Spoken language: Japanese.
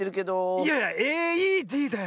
いやいやＡＥＤだよ。